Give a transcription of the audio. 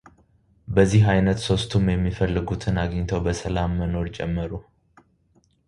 በዚህ ዓይነት ሶስቱም የሚፈልጉትን አግኝተው በሰላም መኖር ጀመሩ፡፡